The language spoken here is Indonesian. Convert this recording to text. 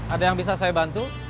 ada yang bisa saya bantu